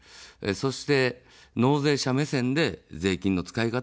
そして、納税者目線で税金の使い方を決める。